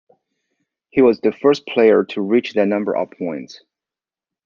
He was the first player to reach that number of points.